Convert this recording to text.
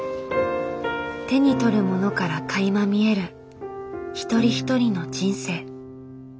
手に取るものからかいま見える一人一人の人生。